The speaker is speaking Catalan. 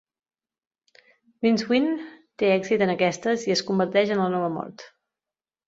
Rincewind té èxit en aquestes i es converteix en la nova mort.